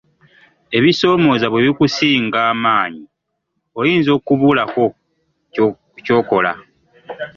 Ebisoomooza bwe bikusinga amaanyi oyinza okubulako ky'okola.